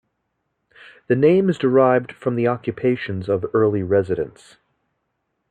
The name is derived from the occupations of early residents.